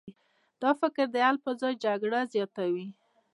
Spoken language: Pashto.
دا فکر د حل پر ځای جګړه زیاتوي.